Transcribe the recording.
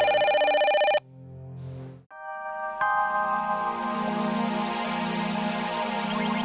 terima kasih mbak